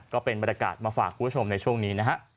ก็เป็นบรรยากาศมาฝากคุณผู้ชมในช่วงนี้นะฮะ